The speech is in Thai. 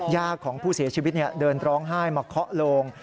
ญาติของผู้เสียชีวิตเดินร้องไห้มาเคาะโลง